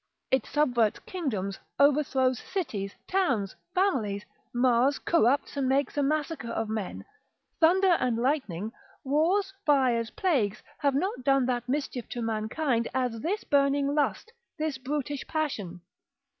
It subverts kingdoms, overthrows cities, towns, families, mars, corrupts, and makes a massacre of men; thunder and lightning, wars, fires, plagues, have not done that mischief to mankind, as this burning lust, this brutish passion.